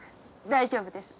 大丈夫です。